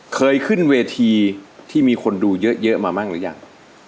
เคยขึ้นเวทีที่มีคนดูเยอะมาบ้างหรือยัง